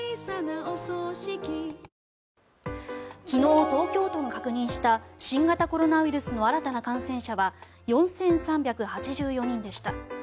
昨日、東京都が確認した新型コロナウイルスの新たな感染者は４３８４人でした。